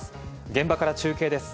現場から中継です。